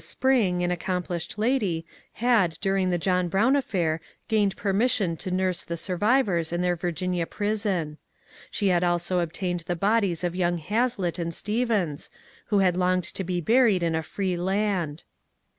Spring, an accomplished lady, had during the John Brown affair gained permission to nurse the survivors in their Virginia prison. She had also obtained the bodies of young Hazlitt and Stevens, who had longed to be buried in a free land.